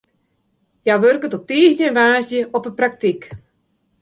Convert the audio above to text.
Hja wurket op tiisdei en woansdei op de praktyk.